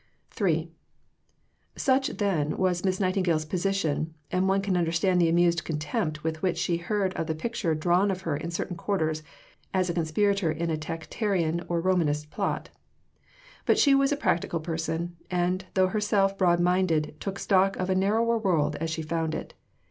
Blackwood, p. 232. III Such, then, was Miss Nightingale's position; and one can understand the amused contempt with which she heard of the picture drawn of her in certain quarters as a conspirator in a Tractarian or Romanist plot. But she was a practical person, and, though herself broad minded, took stock of a narrower world as she found it.